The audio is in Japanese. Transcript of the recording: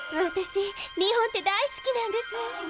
私日本って大好きなんです！